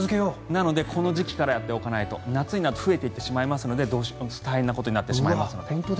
なのでこの時期からやっておかないと夏になると増えていってしまうので大変になりますので。